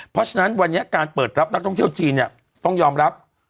เพราะฉะนั้นวันนี้การเปิดรับนักท่องเที่ยวจีนเนี่ยต้องยอมรับ